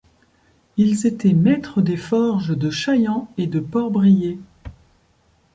Ils étaient maître des forges de Chailland et de Port-Brillet.